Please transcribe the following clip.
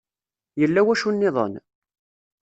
Yella wacu-nniden?